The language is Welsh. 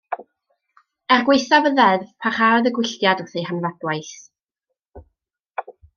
Er gwaethaf y ddeddf parhaodd y gwylliaid wrth eu hanfadwaith.